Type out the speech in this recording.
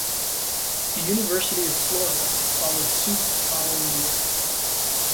The University of Florida followed suit the following year.